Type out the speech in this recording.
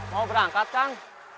mau berangkat kan